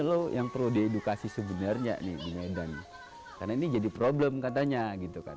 lo yang perlu diedukasi sebenarnya nih di medan karena ini jadi problem katanya gitu kan